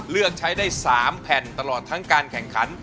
เลือกใช้ได้๓แผ่นตลอดทั้งการแข่งขัน